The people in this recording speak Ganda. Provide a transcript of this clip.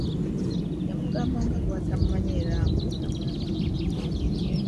Yamugamba nga bw'atamumanyi era mbu tamulabangako.